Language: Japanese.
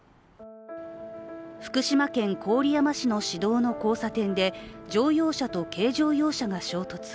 福島県郡山市の市道の交差点で乗用車と軽乗用車が衝突。